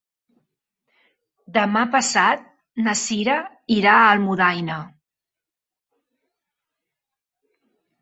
Demà passat na Sira irà a Almudaina.